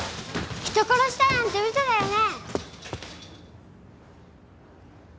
人殺したなんて嘘だよね？